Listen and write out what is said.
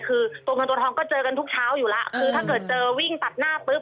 คือตัวเงินตัวทองก็เจอกันทุกเช้าอยู่แล้วคือถ้าเกิดเจอวิ่งตัดหน้าปุ๊บ